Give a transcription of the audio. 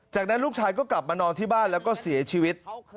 จากนั้นลูกชายก็กลับมานอนที่บ้านแล้วก็เสียชีวิต